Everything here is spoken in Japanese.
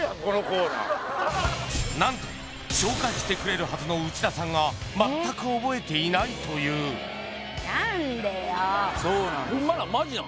何と紹介してくれるはずの内田さんが全く覚えていないというそうなんですよ